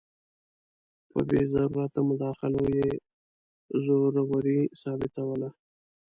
په بې ضرورته مداخلو یې زوروري ثابتوله.